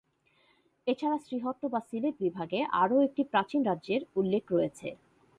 এছাড়া শ্রীহট্ট বা সিলেট বিভাগে আরো একটি প্রাচীন রাজ্যের উল্লেখ রয়েছে।